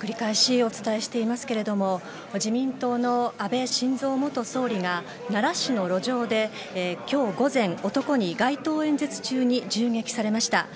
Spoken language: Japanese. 繰り返しお伝えしていますが自民党の安倍晋三元総理が奈良市の路上で今日午前、男に街頭演説中に銃撃されました。